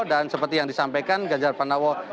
dan seperti yang disampaikan genjar pranowo